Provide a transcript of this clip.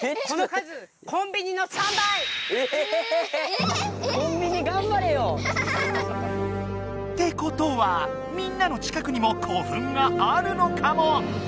コンビニがんばれよ！ってことはみんなの近くにも古墳があるのかも。